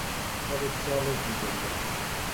তবে চলে কী করিয়া?